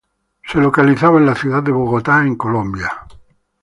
Se localizaba en la ciudad de Bogotá, en Colombia.